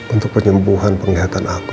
untuk penyembuhan penglihatan aku